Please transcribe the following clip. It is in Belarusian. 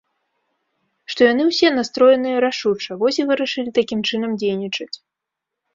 Што яны ўсе настроеныя рашуча, вось і вырашылі такім чынам дзейнічаць.